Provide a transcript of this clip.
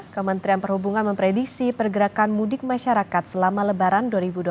kementerian perhubungan memprediksi pergerakan mudik masyarakat selama lebaran dua ribu dua puluh